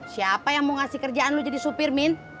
siapa yang mau ngasih kerjaan lu jadi supir min